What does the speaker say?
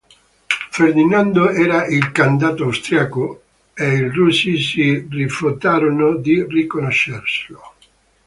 Ferdinando era il "candidato austriaco" e i russi si rifiutarono di riconoscerlo.